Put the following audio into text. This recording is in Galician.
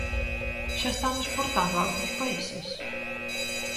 Xa están exportando a algúns países?